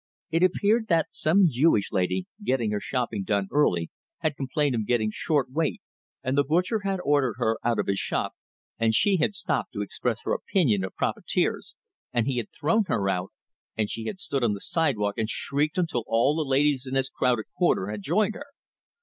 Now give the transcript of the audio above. It appeared that some Jewish lady, getting her shopping done early, had complained of getting short weight, and the butcher had ordered her out of his shop, and she had stopped to express her opinion of profiteers, and he had thrown her out, and she had stood on the sidewalk and shrieked until all the ladies in this crowded quarter had joined her.